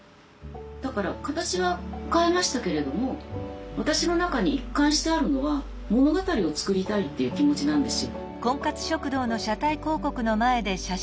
だから形は変えましたけれども私の中に一貫してあるのは物語を作りたいっていう気持ちなんですよ。